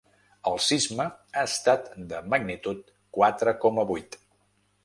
El sisme ha estat de magnitud quatre coma vuit.